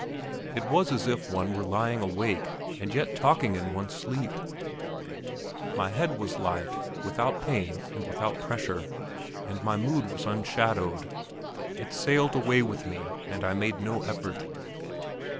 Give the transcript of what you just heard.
It was as if one were lying awake, and yet talking in one's sleep. My head was light, without pain and without pressure, and my mood was unshadowed. It sailed away with me, and I made no effort.